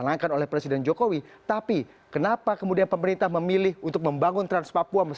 berikut laporannya untuk anda